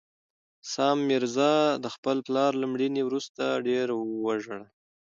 سام میرزا د خپل پلار له مړینې وروسته ډېر وژړل.